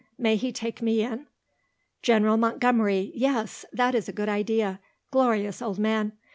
May he take me in?" "General Montgomery. Yes; that is a good idea; glorious old man.